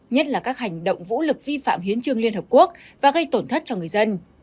nhất là các hành động vũ lực vi phạm hiến trương liên hợp quốc và gây tổn thất cho người dân